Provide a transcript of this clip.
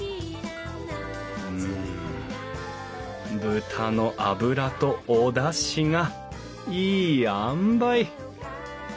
豚の脂とおだしがいいあんばい！